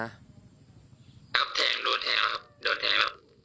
แล้วก็โดนแทง